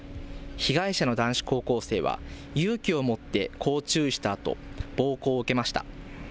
被害者の男子高校生は勇気を持ってこう注意したあと暴行を受けました。